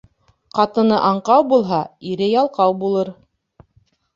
Ҡатыны аңҡау булһа, ире ялҡау булыр.